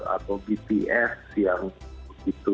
atau bts yang begitu